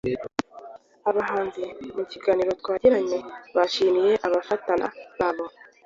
Aba bahanzi mu kiganiro twagiranye bashimiye abafana babo